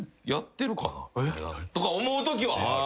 とか思うときはある。